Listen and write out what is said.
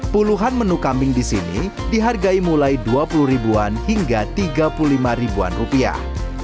puluhan menu kambing di sini dihargai mulai dua puluh ribuan hingga tiga puluh lima ribuan rupiah